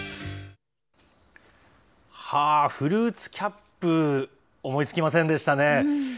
はぁ、フルーツキャップ、思いつきませんでしたね。